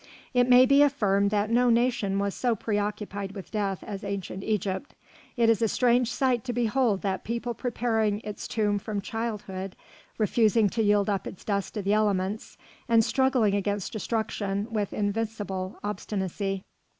It may be affirmed that no nation was so preoccupied with death as ancient Egypt. It is a strange sight to behold that people preparing its tomb from childhood, refusing to yield up its dust to the elements, and struggling against destruction with invincible obstinacy.